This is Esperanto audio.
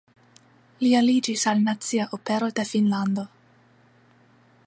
Li aliĝis al Nacia Opero de Finnlando.